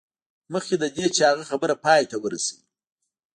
مخکې له دې چې هغه خبره پای ته ورسوي